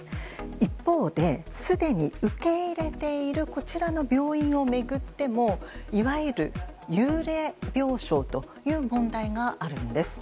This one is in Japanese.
一方で、すでに受け入れているこちらの病院を巡ってもいわゆる幽霊病床という問題があるんです。